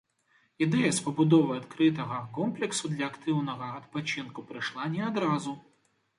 Ідэя з пабудовай адкрытага комплексу для актыўнага адпачынку прыйшла не адразу.